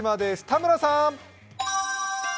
田村さん。